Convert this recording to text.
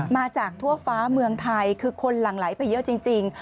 มาจากทั่วฟ้าเมืองไทยคือคนหลั่งไหลไปเยอะจริง